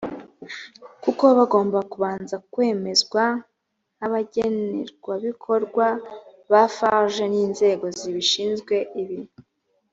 kuko baba bagomba kubanza kwemezwa nk abagenerwabikorwa ba farg n inzego zibishinzwe ibi